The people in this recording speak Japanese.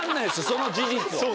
その事実は。